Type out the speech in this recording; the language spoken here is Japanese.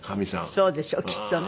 そうでしょうきっとね。